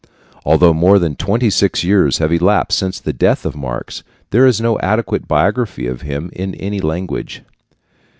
Although more than twenty six years have elapsed since the death of Marx, there is no adequate biography of him in any language.